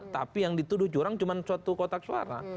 tapi yang dituduh curang cuma suatu kotak suara